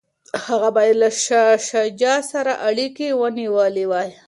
هغه باید له شاه شجاع سره اړیکي ونیولي وای.